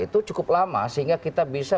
itu cukup lama sehingga kita bisa